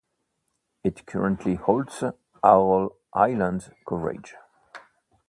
It currently holds all island coverage.